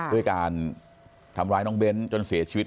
ด้วยการทำร้ายน้องเบ้นจนเสียชีวิต